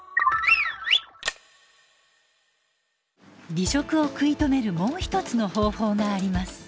離職を食い止めるもう１つの方法があります。